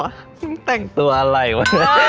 มึงแต่งตัวอะไรวะ